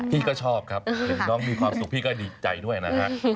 พี่ก็ชอบครับเห็นน้องมีความสุขพี่ก็ดีใจด้วยนะฮะ